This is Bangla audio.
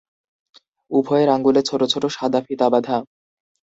উভয়ের আঙ্গুলে ছোট ছোট সাদা ফিতা বাঁধা।